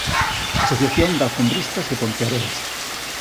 Asociación de Alfombristas de Ponteareas.